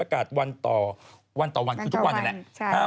ประกาศวันต่อวันต่อวันคือทุกวันนะฮะ